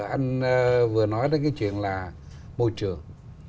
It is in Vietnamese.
anh vừa nói đến cái chuyện là môi trường